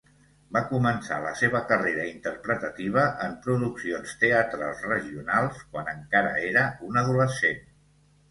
Va començar la seva carrera interpretativa en produccions teatrals regionals, quan encara era un adolescent.